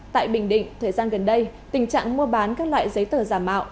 tại bình định thời gian gần đây tình trạng mua bán các loại giấy tờ giả mạo